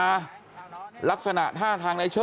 กลับไปลองกลับ